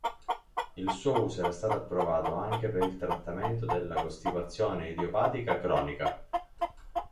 Il suo uso era stato approvato anche per il trattamento della costipazione idiopatica cronica.